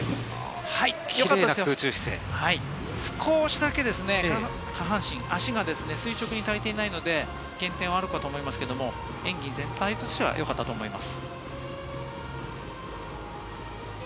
少しだけ下半身が垂直に足りていないので減点はあるかと思いますけれども、演技全体としてはよかったと思います。